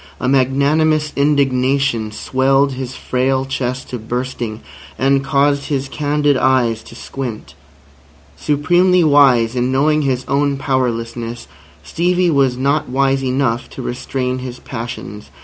A magnanimous indignation swelled his frail chest to bursting, and caused his candid eyes to squint. Supremely wise in knowing his own powerlessness, Stevie was not wise enough to restrain his passions.